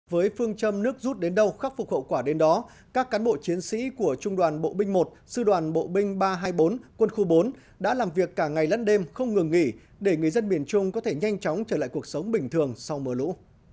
với phương châm nước rút đến đâu khắc phục hậu quả đến đó các cán bộ chiến sĩ của trung đoàn bộ binh một sư đoàn bộ binh ba trăm hai mươi bốn quân khu bốn đã làm việc cả ngày lẫn đêm không ngừng nghỉ để người dân miền trung có thể nhanh chóng trở lại cuộc sống bình thường sau mưa lũ